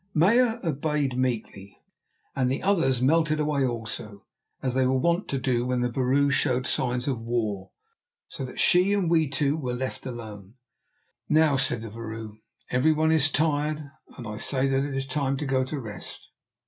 Meyer obeyed meekly, and the others melted away also as they were wont to do when the vrouw showed signs of war, so that she and we two were left alone. "Now," said the vrouw, "everyone is tired, and I say that it is time to go to rest.